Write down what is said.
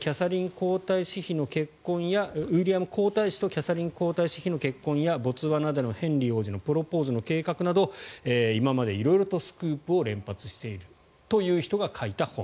ウィリアム皇太子とキャサリン皇太子妃の結婚やボツワナでのヘンリー王子のプロポーズの計画など今まで色々とスクープを連発しているという人が書いた本。